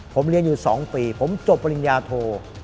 ผมเรียนอยู่๒ปีผมจบปริญญาโท